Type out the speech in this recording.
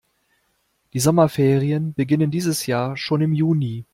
Die Sommerferien beginnen dieses Jahr schon im Juni.